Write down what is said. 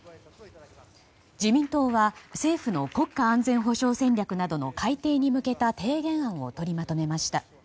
自民党は政府の国家安全保障戦略などの改定に向けた提言案を取りまとめました。